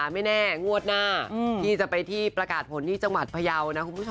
ไม่แน่งวดหน้าที่จะไปที่ประกาศผลที่จังหวัดพยาวนะคุณผู้ชม